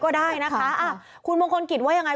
ก็ได้นะคะคุณมงคลกิจว่ายังไง